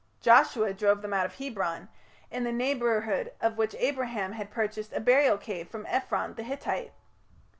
Joshua drove them out of Hebron, in the neighbourhood of which Abraham had purchased a burial cave from Ephron, the Hittite.